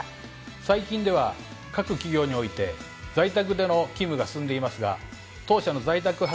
最近では各企業において在宅での勤務が進んでいますが当社の在宅派遣サービス